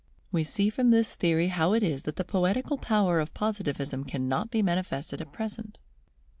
We see from this theory how it is that the poetical power of Positivism cannot be manifested at present.